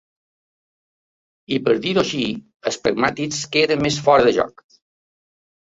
I per dir-ho així, els pragmàtics queden més fora de joc.